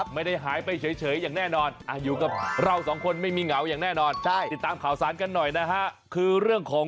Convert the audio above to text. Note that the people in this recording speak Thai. ไม่ได้หายไปเฉยอย่างแน่นอนอยู่กับเราสองคนไม่มีเหงาอย่างแน่นอน